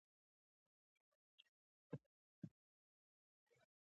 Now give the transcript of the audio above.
یوه خوا بل بې تمدنه باله